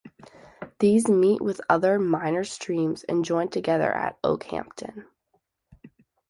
These meet with other minor streams and join together at Okehampton.